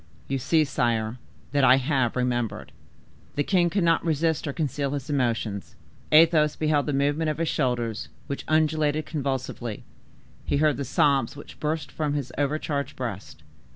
You see, sire, that I have remembered." The king could not resist or conceal his emotion. Athos beheld the movement of his shoulders, which undulated convulsively; he heard the sobs which burst from his over charged breast.